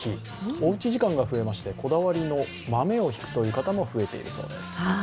おうち時間が増えましてこだわりの豆をひくという方も増えているそうです。